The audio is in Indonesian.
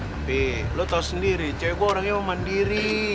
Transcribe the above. tapi lu tau sendiri cewe gue orangnya emang mandiri